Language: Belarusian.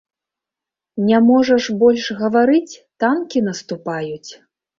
Не можаш больш гаварыць, танкі наступаюць?